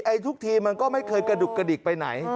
ทุกทีมันก็ไม่เคยกระดุกกระดิกไปไหน